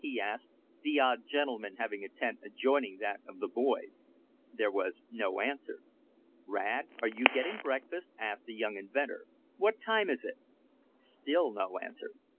he asked, the odd gentleman having a tent adjoining that of the boys. There was no answer. "Rad, are you getting breakfast?" asked the young inventor. "What time is it?" Still no answer.